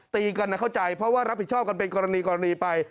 ตีกันนะเข้าใจเพราะว่ารับผิดชอบกันเป็นกรณีไป